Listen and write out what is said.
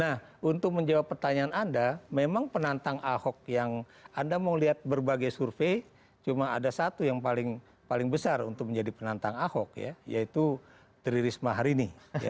nah untuk menjawab pertanyaan anda memang penantang ahok yang anda mau lihat berbagai survei cuma ada satu yang paling besar untuk menjadi penantang ahok ya yaitu tri risma hari ini